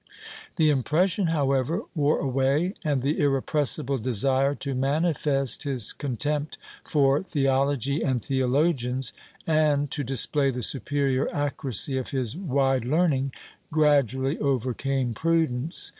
The impression, however, wore away and the irrepressible desire to manifest his contempt for theology and theologians, and to display the superior accuracy of his wide learning, gradually overcame prudence.